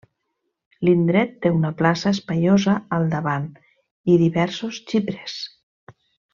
L'indret té una plaça espaiosa al davant, i diversos xiprers.